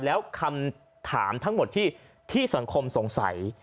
แล้วคำถามทั้งหมดที่สังคมสงสัย